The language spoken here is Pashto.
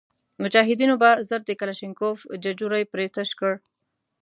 مجاهدینو به ژر د کلشینکوف ججوري پرې تش کړ.